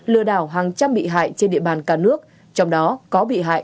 lừa đảo hàng trăm bị hại trên địa bàn cả nước trong đó có bị hại